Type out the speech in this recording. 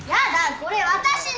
これ私の！